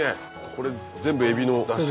これ全部エビのだし？